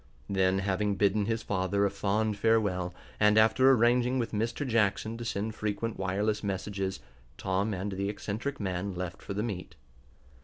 Then, having bidden his father a fond farewell, and after arranging with Mr. Jackson to send frequent wireless messages, Tom and the eccentric man left for the meet.